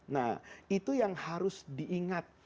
nah itu yang harus diingat